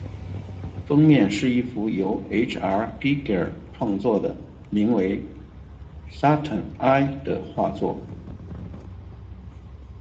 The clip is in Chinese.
封面是一幅由 H.R.Giger 创作的名为 “Satan I” 的画作。